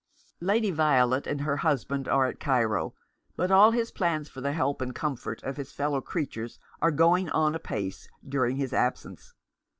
Lady Violet and her husband are at Cairo ; but all his plans for the help and comfort of his fellow creatures are going on apace during his absence.